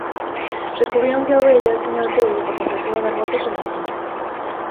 Descubriron que a ovella tiña o teo porque empezou a dar voltas sobre si.